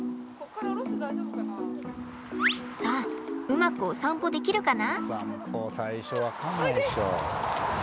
さあうまくお散歩できるかな？